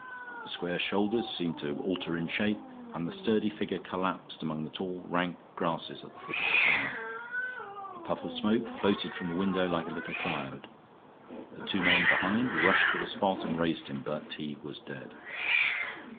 The square shoulders seemed to alter in shape, and the sturdy figure collapsed among the tall, rank grasses at the foot of the tower. A puff of smoke floated from the window like a little cloud. The two men behind rushed to the spot and raised him, but he was dead.